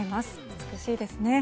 美しいですね。